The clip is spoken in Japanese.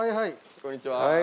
こんにちは。